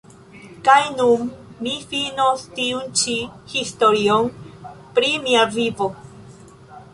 Kaj nun mi finos tiun-ĉi historion pri mia vivo.